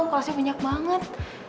kelasnya banyak banget